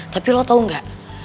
tapi lo tau gak